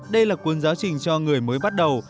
đây là cuốn giáo trình cho người mới bắt đầu